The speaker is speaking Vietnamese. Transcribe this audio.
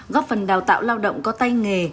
góp phần đào tạo lao động có tay nghề